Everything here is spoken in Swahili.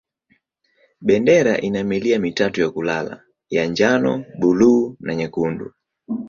Bendera ina milia mitatu ya kulala ya njano, buluu na nyekundu.